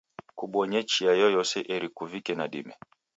Kubonye chia yoyose eri kuvike nadime